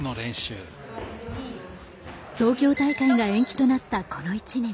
東京大会が延期となったこの１年。